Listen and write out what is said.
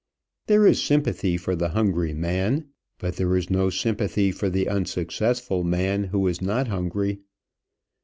There is sympathy for the hungry man; but there is no sympathy for the unsuccessful man who is not hungry.